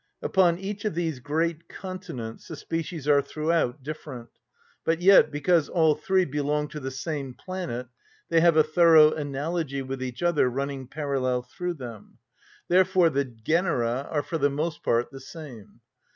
Upon each of these great continents the species are throughout different, but yet, because all three belong to the same planet, they have a thorough analogy with each other running parallel through them; therefore the genera are for the most part the same.